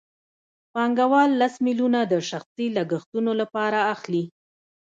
پانګوال لس میلیونه د شخصي لګښتونو لپاره اخلي